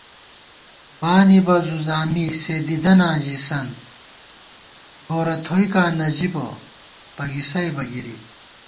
بانِبہ زوزامی ، سے دیدَناں ژِسنت ✿ گورہ تھوئیکاں نہ ژِبہ ، پگِسَئیبہ گِری